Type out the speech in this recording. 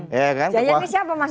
giant ini siapa maksudnya